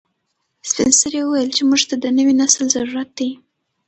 سپین سرې وویل چې موږ ته د نوي نسل ضرورت دی.